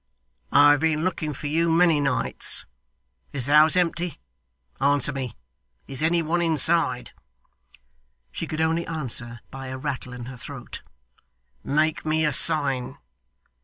'I have been looking for you many nights. Is the house empty? Answer me. Is any one inside?' She could only answer by a rattle in her throat. 'Make me a sign.